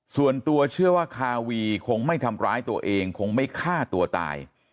ส่วนตัวเชื่อว่าคาวีคงไม่ทำร้ายตัวเองคงไม่ฆ่าตัวตาย